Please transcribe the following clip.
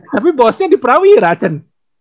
tapi bosnya diperawi racen